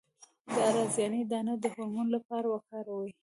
د رازیانې دانه د هورمون لپاره وکاروئ